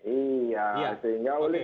iya sehingga oleh